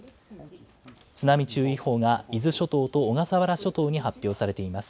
津波注意報が伊豆諸島と小笠原諸島に発表されています。